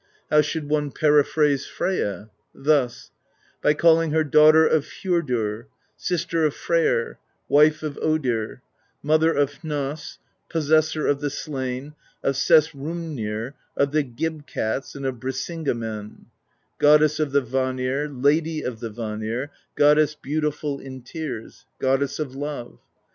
"How should one periphrase Freyja? Thus: by call ing her Daughter of Njordr, Sister of Freyr, Wife of Odr, Mother of Hnoss, Possessor of the Slain, of Sessrumnir, of the Gib Cats, and of Brisinga men; Goddess of theVanir, Lady of the Vanir, Goddess Beautiful in Tears, Goddess of Love.